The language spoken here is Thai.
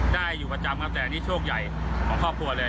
ได้ครับอยู่ประจำครับแต่นี่โชครับใหญ่ของครอบครัวเลย